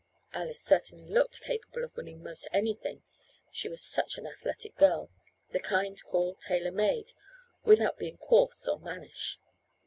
Alice certainly looked capable of winning most anything, she was such an athletic girl, the kind called "tailor made," without being coarse or mannish.